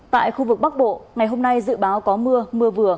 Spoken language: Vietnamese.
tại khu vực bắc bộ ngày hôm nay dự báo có mưa mưa vừa